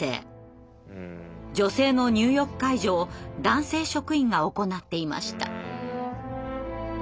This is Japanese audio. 女性の入浴介助を男性職員が行っていました。